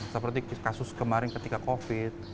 seperti kasus kemarin ketika covid